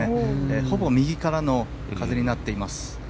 ほぼ右からの風になっています。